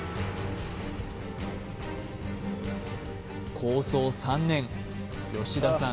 構想３年吉田さん